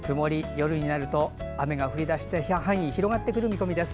夜になると雨が降り出して範囲が広がってくる見込みです。